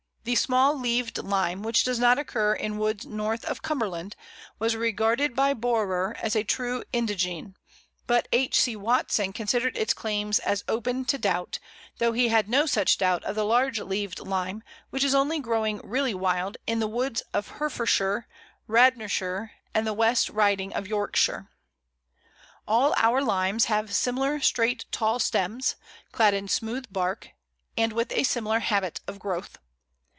The Small leaved Lime, which does not occur in woods north of Cumberland, was regarded by Borrer as a true indigene, but H. C. Watson considered its claims as open to doubt, though he had no such doubt of the Large leaved Lime, which is only growing really wild in the woods of Herefordshire, Radnorshire, and the West Riding of Yorkshire. All our Limes have similar straight tall stems, clad in smooth bark, and with a similar habit of growth.